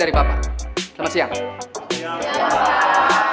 selamat siang papa